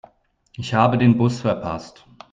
Ich habe den Bus verpasst.